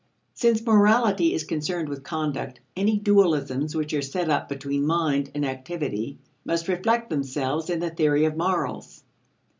Since morality is concerned with conduct, any dualisms which are set up between mind and activity must reflect themselves in the theory of morals.